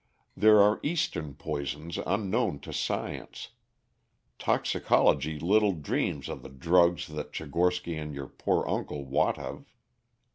There are Eastern poisons unknown to science; toxicology little dreams of the drugs that Tchigorsky and your poor uncle wot of.